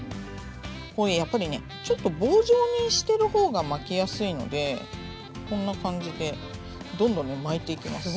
これやっぱりねちょっと棒状にしてる方が巻きやすいのでこんな感じでどんどん巻いていきます。